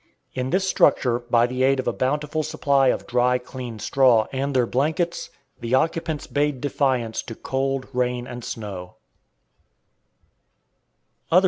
In this structure, by the aid of a bountiful supply of dry, clean straw, and their blankets, the occupants bade defiance to cold, rain, and snow.